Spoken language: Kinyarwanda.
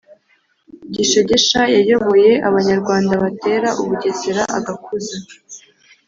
Gishegesha yayoboye Abanyarwanda batera u Bugesera, agakuza